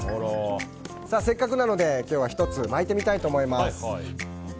せっかくなので、今日は１つ巻いてみたいと思います。